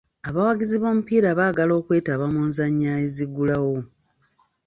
Abawagizi b'omupiira baagala okwetaba mu nzannya eziggulawo.